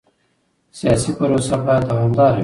سیاسي پروسه باید دوامداره وي